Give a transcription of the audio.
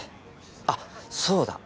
あっそうだ！